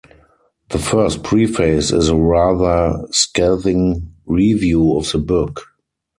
The First Preface is a rather scathing review of the book.